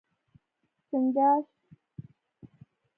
🦀 چنګاښ